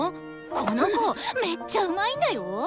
この子めっちゃうまいんだよ。